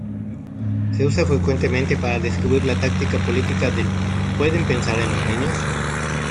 Se usa frecuentemente para describir la táctica política del "pueden pensar en los niños?